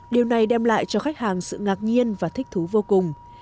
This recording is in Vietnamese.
điều này đem lại cho khách hàng sự ngạc nhiên và thích thú vô cùng